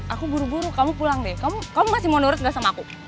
aku buru buru kamu pulang deh kamu masih mau nurut gak sama aku